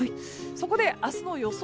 そこで明日の予想